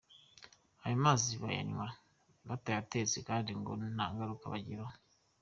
Ayo mazi bayanywa batayatetse kandi ngo nta ngaruka abagiraho.